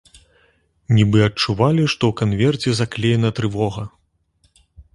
Нібы адчувалі, што ў канверце заклеена трывога.